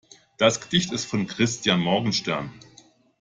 Das Gedicht ist von Christian Morgenstern.